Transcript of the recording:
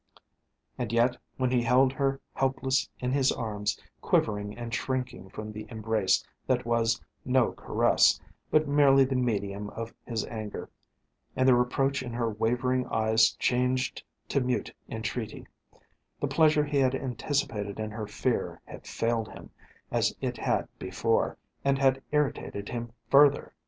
And yet, when he held her helpless in his arms, quivering and shrinking from the embrace that was no caress, but merely the medium of his anger, and the reproach in her wavering eyes changed to mute entreaty, the pleasure he had anticipated in her fear had failed him as it had before, and had irritated him further.